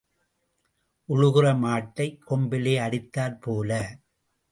உழுகிற மாட்டைக் கொம்பிலே அடித்தாற் போல.